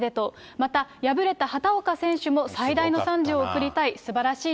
また、敗れた畑岡選手も最大の賛辞を送りたい。